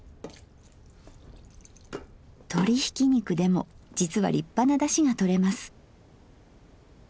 鶏ひき肉でも実は立派なだしがとれます。